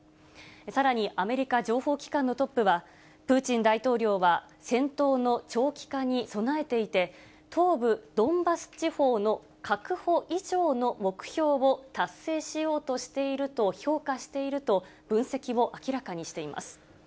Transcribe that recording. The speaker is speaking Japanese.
さらに、アメリカ情報機関のトップは、プーチン大統領は、戦闘の長期化に備えていて、東部ドンバス地方の確保以上の目標を達成しようとしていると評価していると、分析を明らかにしています。